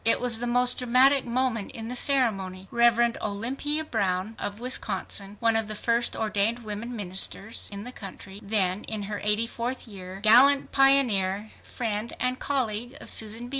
It was the most dramatic moment in the ceremony. Reverend Olympia Brown of Wisconsin, one of the first ordained women ministers in the country, then in her eighty fourth year, gallant pioneer, friend and colleague of Susan B.